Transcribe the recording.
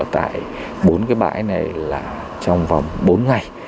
tại bốn cái bãi này là trong vòng bốn ngày